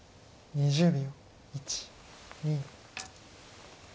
２０秒。